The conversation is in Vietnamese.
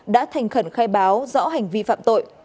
đã thành khẩn khai báo rõ hành vi phạm tội